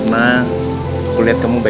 aku bunuh muka